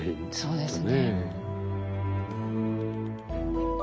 そうですね。